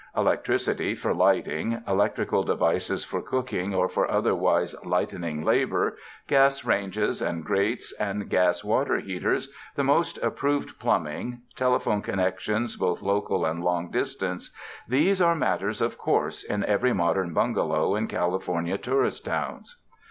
Electricity for lighting, electrical de vices for cooking or for otherwise lightening labor, gas ranges and grates, and gas water heaters, the most approved plumbing, telephone connections both local and long distance — these are matters of course in every modern bungalow in California tourist towns.